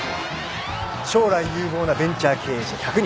将来有望なベンチャー経営者１００人。